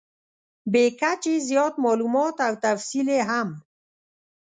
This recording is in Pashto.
بې کچې زیات مالومات او تفصیل یې هم .